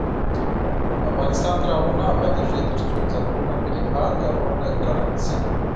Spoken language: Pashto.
افغانستان تر هغو نه ابادیږي، ترڅو ځنګلونه ملي پانګه ونه ګڼل شي.